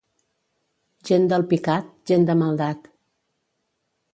Gent d'Alpicat, gent de maldat.